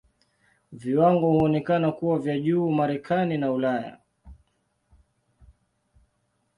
Viwango huonekana kuwa vya juu Marekani na Ulaya.